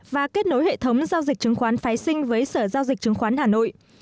và kết nối hệ thống giao dịch chứng khoán phái sinh với sở giao dịch chứng khoán hà nội